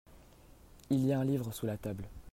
Il y a un livre sous la table.